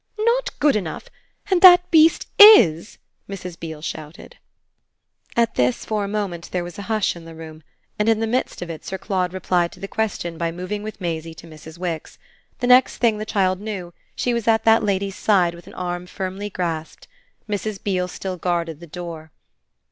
"Not good enough, and that beast IS?" Mrs. Beale shouted. At this for a moment there was a hush in the room, and in the midst of it Sir Claude replied to the question by moving with Maisie to Mrs. Wix. The next thing the child knew she was at that lady's side with an arm firmly grasped. Mrs. Beale still guarded the door.